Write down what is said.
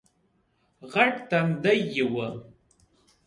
غټ تندی یې وو